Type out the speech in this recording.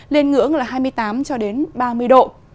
lên ngưỡng là hai mươi tám ba mươi độ